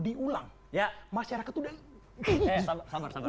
diulang masyarakat udah